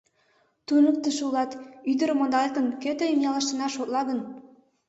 Туныктышо улат, ӱдырым ондалет гын, кӧ тыйым ялыштына шотла гын?